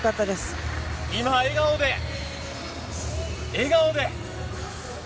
今、笑顔で、笑顔で。